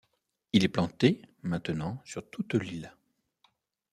Il est planté maintenant sur toute l’île.